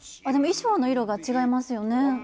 あでも衣装の色が違いますよね。